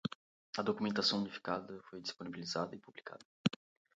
A documentação unificada foi disponibilizada e publicada